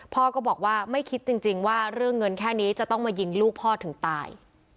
พ่อก็บอกว่าไม่คิดจริงว่าเรื่องเงินแค่นี้จะต้องมายิงลูกพ่อถึงตาย